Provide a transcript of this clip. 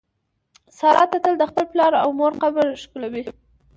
ساره تل د خپل پلار او مور قبر ښکلوي.